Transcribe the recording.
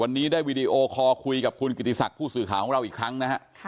วันนี้ได้วีดีโอคอลคุยกับคุณกิติศักดิ์ผู้สื่อข่าวของเราอีกครั้งนะฮะ